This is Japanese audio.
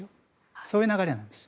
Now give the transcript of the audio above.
そういう流れなんです。